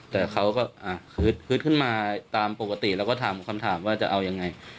แต่เขาก็ฮึดขึ้นมาตามปกติแล้วก็ถามคำถามว่าจะเอายังไง